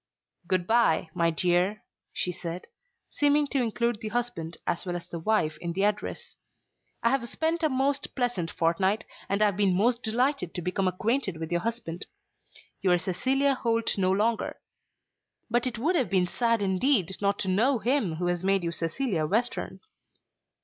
"Good bye, my dear," she said, seeming to include the husband as well as the wife in the address. "I have spent a most pleasant fortnight, and have been most delighted to become acquainted with your husband. You are Cecilia Holt no longer. But it would have been sad indeed not to know him who has made you Cecilia Western."